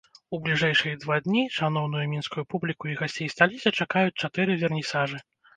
У бліжэйшыя два дні шаноўную мінскую публіку і гасцей сталіцы чакаюць чатыры вернісажы.